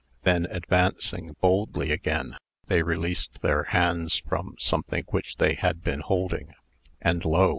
Then, advancing boldly again, they released their hands from something which they had been holding, and lo!